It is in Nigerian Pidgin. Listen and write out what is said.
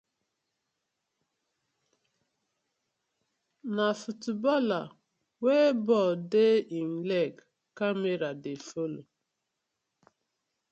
Na footballer wey ball dey im leg camera dey follow.